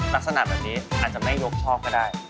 ลักษณะแบบนี้อาจจะไม่ยกชอบก็ได้